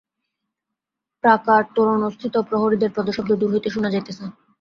প্রাকার-তোরণস্থিত প্রহরীদের পদশব্দ দূর হইতে শুনা যাইতেছে।